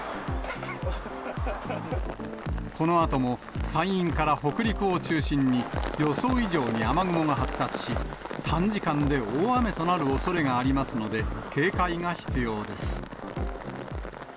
このあとも山陰から北陸を中心に、予想以上に雨雲が発達し、短時間で大雨となるおそれがありますので、警戒が必要です。